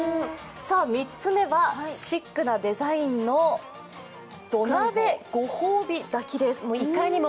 ３つ目はシックなデザインの土鍋ご泡火炊きです。